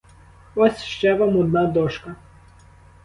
Ось ще вам одна дошка.